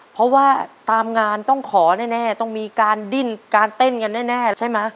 เพราะว่าตามงานต้องขอแน่ต้องมีการดิ้นการเต้นกันแน่ใช่ไหม